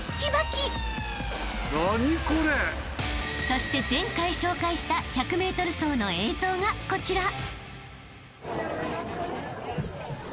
［そして前回紹介した１００ｍ走の映像がこちら］